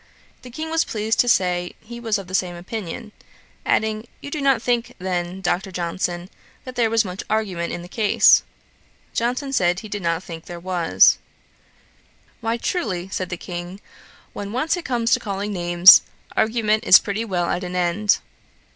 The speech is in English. The King was pleased to say he was of the same opinion; adding, 'You do not think, then, Dr. Johnson, that there was much argument in the case.' Johnson said, he did not think there was. 'Why truly, (said the King,) when once it comes to calling names, argument is pretty well at an end.'